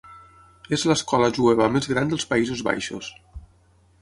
És l'escola jueva més gran dels Països Baixos.